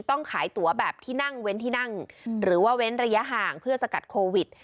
ต้องขายตัวแบบที่นั่งเว้นที่นั่งหรือว่าเว้นระยะห่างเพื่อสกัดโควิด